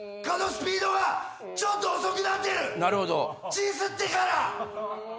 血吸ってから。